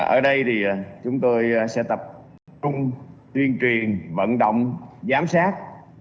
ở đây thì chúng tôi sẽ tập trung tuyên truyền vận động giám sát